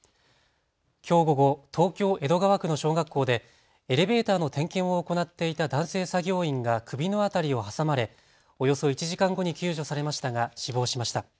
きょう午後、東京江戸川区の小学校でエレベーターの点検を行っていた男性作業員が首の辺りを挟まれおよそ１時間後に救助されましたが死亡しました。